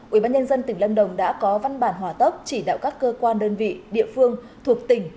ubnd tỉnh lâm đồng đã có văn bản hòa tấp chỉ đạo các cơ quan đơn vị địa phương thuộc tỉnh